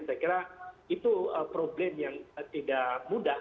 saya kira itu problem yang tidak mudah